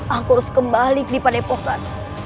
aku harus kembali ke lipa depokat